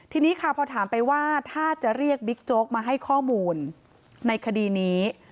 ทีนี้ค่ะพอถามไปว่าถ้าจะเรียกบิ๊กโจ๊กมาให้ข้อมูลในคดีนี้